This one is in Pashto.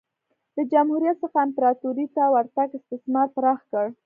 له جمهوریت څخه امپراتورۍ ته ورتګ استثمار پراخ کړ